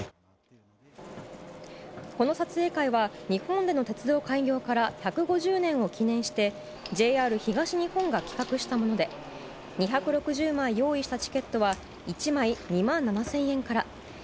この撮影会は、日本での鉄道開業から１５０年を記念してＪＲ東日本が企画したもので２６０枚用意したチケットは１枚２万７０００円から。